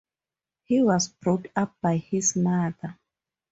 He was brought up by his mother.